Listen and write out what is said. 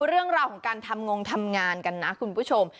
เรื่องราวของการทำงงทำงานกันนะคุณผู้ชม